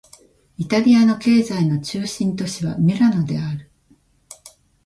イタリアの経済の中心都市はミラノである